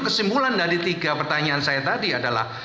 kesimpulan dari tiga pertanyaan saya tadi adalah